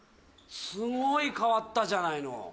すごい変わったじゃないの。